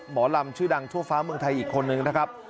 หมอลำชื่อดังทั่วฟ้าเมืองไทยอีกคนนึงนะครับ